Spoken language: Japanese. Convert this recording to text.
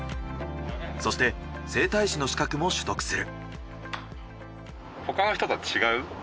そして整体師の資格も取得する。